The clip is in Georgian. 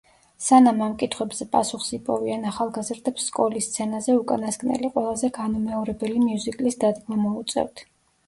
სანამ ამ კითხვებზე პასუხს იპოვიან ახალგაზრდებს სკოლის სცენაზე უკანასკნელი, ყველაზე განუმეორებელი მიუზიკლის დადგმა მოუწევთ.